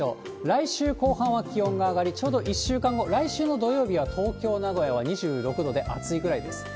来週後半は気温が上がり、ちょうど１週間後、来週の土曜日は東京、名古屋は２６度で暑いぐらいです。